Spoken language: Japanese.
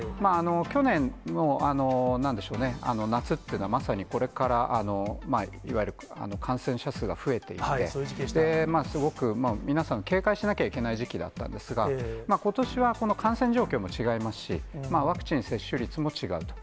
去年のなんでしょうね、夏っていうのは、まさにこれから、いわゆる感染者数が増えていって、すごく、皆さん警戒しなきゃいけない時期だったんですが、ことしは感染状況も違いますし、ワクチン接種率も違うと。